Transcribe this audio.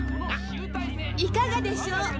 いかがでしょう